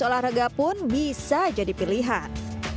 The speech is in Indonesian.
olahraga pun bisa jadi pilihan